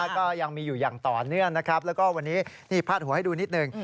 ก็ยังมีอยู่อย่างต่อเนื่องนะครับแล้วก็วันนี้นี่พาดหัวให้ดูนิดหนึ่ง